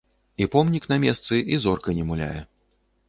І помнік на месцы, і зорка не муляе.